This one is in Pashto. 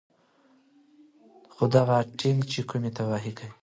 خو دغه ټېنک چې کومې تباهۍ کوي